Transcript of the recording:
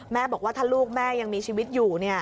บอกว่าถ้าลูกแม่ยังมีชีวิตอยู่